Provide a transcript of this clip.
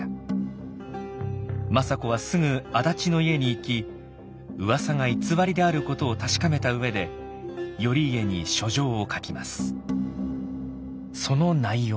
政子はすぐ安達の家に行きうわさが偽りであることを確かめた上で頼家に書状を書きます。